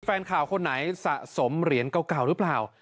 แฟนข่าวคนไหนสะสมเหรียญเก่าหรือเปล่า